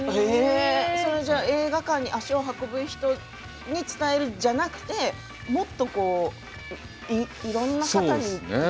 それじゃ、映画館に足を運ぶ人に伝えるじゃなくてもっと、いろんな方にっていう。